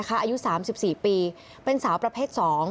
อายุ๓๔ปีเป็นสาวประเภท๒